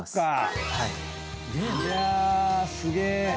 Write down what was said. いやすげえ。